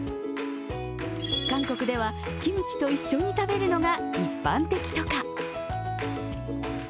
韓国ではキムチと一緒に食べるのが一般的とか。